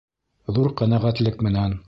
Ҙур ҡәнәғәтлек менән!